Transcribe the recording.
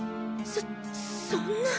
そそんな。